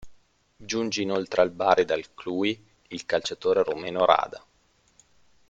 Giunge inoltre al Bari dal Cluj il calciatore rumeno Rada.